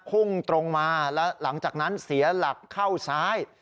พุ่งตรงมาแล้วหลังจากนั้นเสียหลักเข้าซ้าย